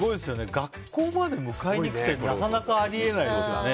学校まで迎えに行くってなかなかあり得ないですよね。